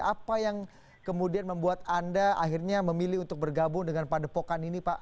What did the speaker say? apa yang kemudian membuat anda akhirnya memilih untuk bergabung dengan padepokan ini pak